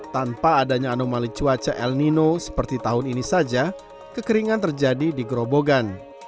tanpa adanya anomali cuaca el nino seperti tahun ini saja kekeringan terjadi di gerobogan